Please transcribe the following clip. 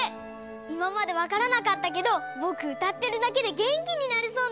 いままでわからなかったけどぼくうたってるだけでげんきになれそうなきがしたよ！